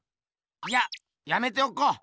いややめておこう。